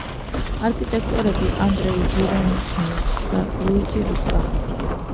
არქიტექტორები ანდრეი ვორონიხინი და ლუიჯი რუსკა.